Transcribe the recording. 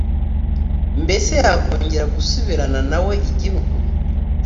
Mbese yakongera gusubirana na we igihugu